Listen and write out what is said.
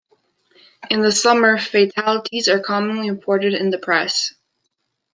In the summer fatalities are commonly reported in the press.